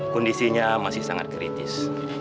kondisinya masih sangat kritis